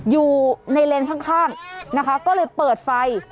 อยู่ในเลนส์ข้างนะคะก็เลยเปิดไฟ